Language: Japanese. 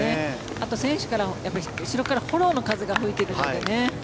あと選手から、後ろからフォローの風が吹いているのでね。